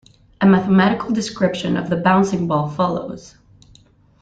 A mathematical description of the bouncing ball follows.